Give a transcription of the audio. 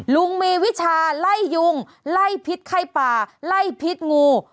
ลุงมีวิชาไล่ยุงไล่พิษไข้ป่าไล่พิษงู